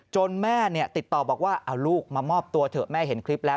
แม่ติดต่อบอกว่าเอาลูกมามอบตัวเถอะแม่เห็นคลิปแล้ว